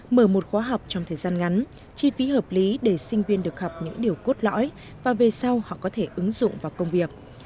mở một khóa học trong thời gian ngắn chi phí hợp lý để sinh viên được học những điều cốt lõi và về sau họ có thể ứng dụng vào công việc